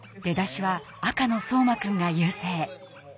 出だしは赤の壮眞くんが優勢。